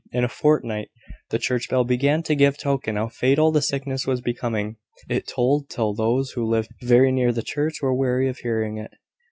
In a fortnight, the church bell began to give token how fatal the sickness was becoming. It tolled till those who lived very near the church were weary of hearing it.